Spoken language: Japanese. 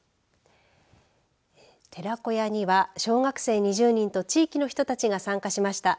寺子屋には小学生２０人と地域の人たちが参加しました。